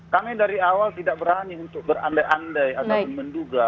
kami dari awal tidak berani untuk berandai andai ataupun menduga